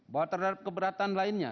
buat terhadap keberatan lainnya